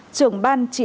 trưởng ban chỉ định